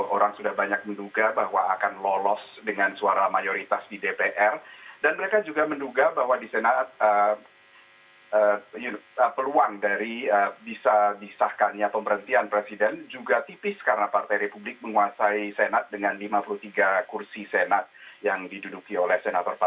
orang sudah banyak menduga bahwa akan lolos dengan suara mayoritas di dpr dan mereka juga menduga bahwa di senat peluang dari bisa disahkannya pemberhentian presiden juga tipis karena partai republik menguasai senat dengan lima puluh tiga kursi senat yang diduduki oleh senator pan